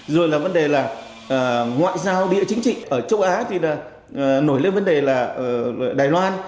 rồi là vấn đề là ngoại giao địa chính trị ở châu á thì nổi lên vấn đề là ở đài loan